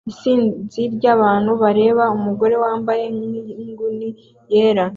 Isinzi ryabantu bareba umugore wambaye nkinguni yera